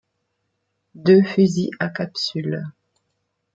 deux fusils à capsule.